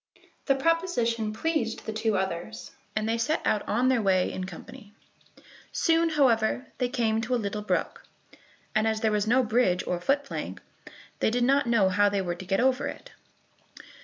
The proposition pleased the two others, and they set out on their way in company. Soon, however, they came to a little brook, and as there was no bridge or foot plank, they did not know how they were to get over it.